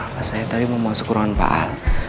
pas saya tadi mau masuk ruangan pak al